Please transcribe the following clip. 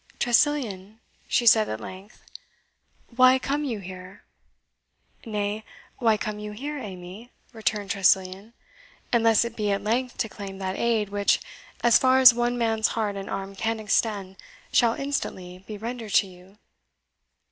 "Tressilian," she said, at length, "why come you here?" "Nay, why come you here, Amy," returned Tressilian, "unless it be at length to claim that aid, which, as far as one man's heart and arm can extend, shall instantly be rendered to you?"